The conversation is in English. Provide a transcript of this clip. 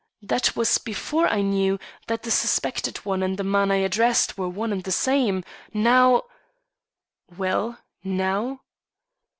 That was before I knew that the suspected one and the man I addressed were one and the same. Now " "Well, now?"